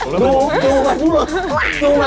ดูตัวของทุเรงกูเลย